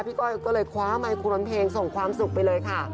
ก้อยก็เลยคว้าไมครวนเพลงส่งความสุขไปเลยค่ะ